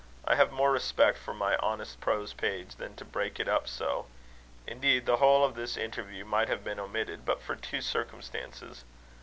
I have more respect for my honest prose page than to break it up so. Indeed, the whole of this interview might have been omitted, but for two circumstances.